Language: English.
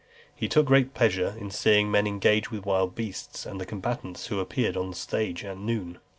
He took great pleasure in seeing men engage with wild beasts, and the combatants who appeared on the stage at noon.